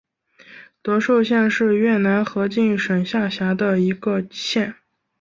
德寿县是越南河静省下辖的一个县。